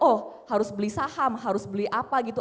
oh harus beli saham harus beli apa gitu